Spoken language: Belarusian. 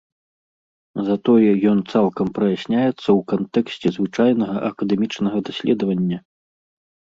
Затое ён цалкам праясняецца ў кантэксце звычайнага акадэмічнага даследавання.